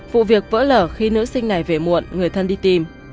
vụ việc vỡ lở khi nữ sinh này về muộn người thân đi tìm